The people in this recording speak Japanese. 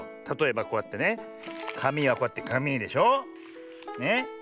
たとえばこうやってねかみはこうやってかみでしょ。ね。